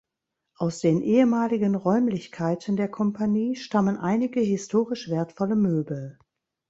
Aus den ehemaligen Räumlichkeiten der Kompanie stammen einige historisch wertvolle Möbel.